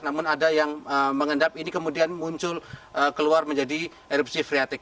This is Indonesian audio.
namun ada yang mengendap ini kemudian muncul keluar menjadi erupsi freatik